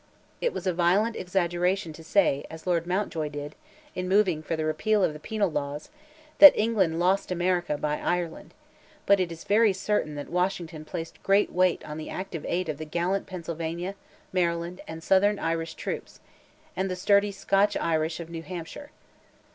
It was a violent exaggeration to say, as Lord Mountjoy did in moving for the repeal of the Penal laws, "that England lost America by Ireland;" but it is very certain that Washington placed great weight on the active aid of the gallant Pennsylvania, Maryland, and Southern Irish troops, and the sturdy Scotch Irish of New Hampshire.